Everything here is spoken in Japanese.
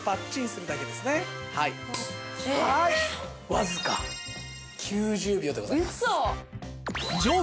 わずか９０秒でございます。